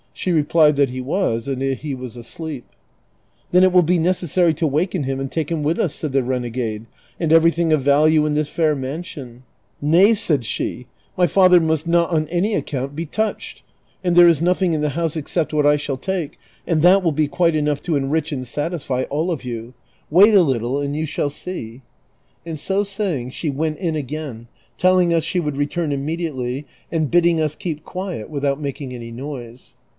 She replied that he was and that he was asleep. " Then it will be necessary to waken him and take him with us," said the renegade, " and everything of value in this fair mansion." " Nay," said she, " my father must not on any account be touched, and there is nothing in the house except what I shall take, and that will be quite enough to enrich and satisfy all of you ; wait a little and CHAPTER XLI. 351 you shall see," and so saying she went in again, telling us she would return immediately, and bidding us keep quiet without making any noise.